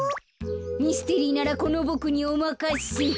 ミステリーならこのボクにおまかせ！